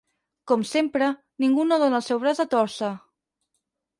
Com sempre, ningú no dóna el seu braç a tòrcer.